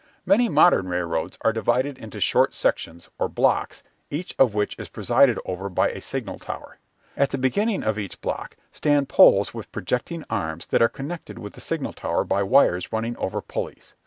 Many modern railroads are divided into short sections or "blocks," each of which is presided over by a signal tower. At the beginning of each block stand poles with projecting arms that are connected with the signal tower by wires running over pulleys.